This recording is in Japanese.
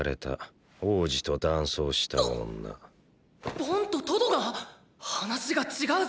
ボンとトドが⁉話が違うぞ！！